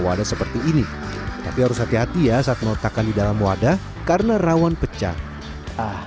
wadah seperti ini tapi harus hati hati ya saat meletakkan di dalam wadah karena rawan pecah ah